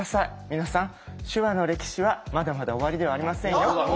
皆さん手話の歴史はまだまだ終わりではありませんよ。